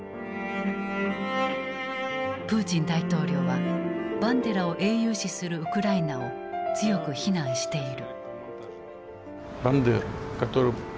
プーチン大統領はバンデラを英雄視するウクライナを強く非難している。